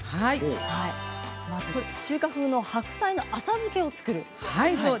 中華風の白菜の浅漬けを作る。